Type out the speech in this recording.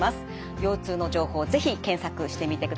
腰痛の情報是非検索してみてください。